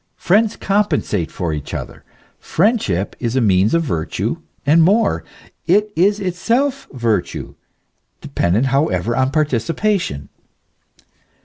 Friends compensate for each other ; friend ship is a means of virtue, and more : it is itself virtue, dependent however on participation.